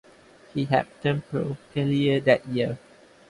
He had turned pro earlier that year.